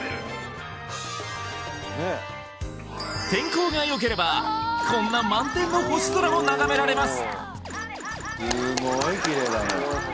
天候が良ければこんな満天の星空も眺められます